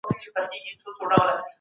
د انسان روحي وړتيا د هغه د عزت سبب سوه.